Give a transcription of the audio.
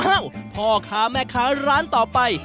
พ่อค้าแม่ค้าร้านต่อไป